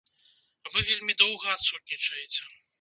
Вы вельмі доўга адсутнічаеце.